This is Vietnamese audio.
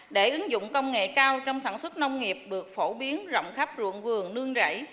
để ứng dụng công nghệ cao trong sản xuất nông nghiệp được phổ biến rộng khắp ruộng vườn nương rẫy